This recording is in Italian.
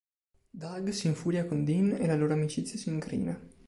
Doug si infuria con Dean e la loro amicizia si incrina.